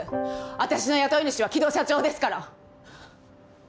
あたしの雇い主は城戸社長ですから。